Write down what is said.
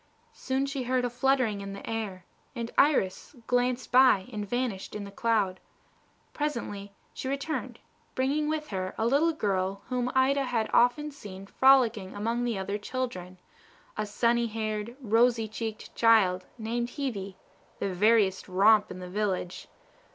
Soon she heard a fluttering in the air, and Iris glanced by and vanished in the cloud. Presently she returned, bringing with her a little girl whom Ida had often seen frolicking among the other children, a sunny haired, rosy cheeked child, named Hebe, the veriest romp in the village.